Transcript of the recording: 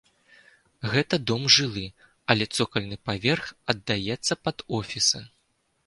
Гэта дом жылы, але цокальны паверх аддаецца пад офісы.